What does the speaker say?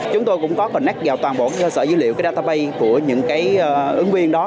chúng tôi cũng có connect vào toàn bộ cái sở dữ liệu cái database của những cái ứng viên đó